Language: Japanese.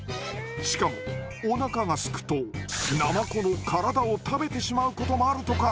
しかもおなかがすくとナマコの体を食べてしまうこともあるとか。